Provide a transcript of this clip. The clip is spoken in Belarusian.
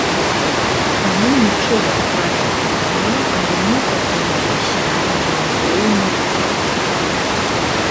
Таму нічога страшнага няма, калі мы пратрымаемся на гэтым узроўні цэн.